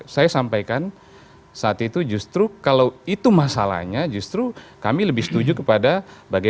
saya sampaikan saat itu justru kalau itu masalahnya justru kami lebih setuju kepada bagaimana